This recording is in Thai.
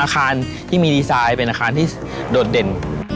อาคารที่มีดีไซน์เป็นอาคารที่โดดเด่น